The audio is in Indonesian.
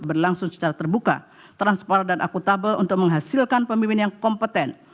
berlangsung secara terbuka transparan dan akutabel untuk menghasilkan pemimpin yang kompeten